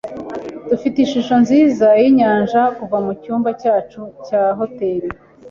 Dufite ishusho nziza yinyanja kuva mucyumba cyacu cya hoteri.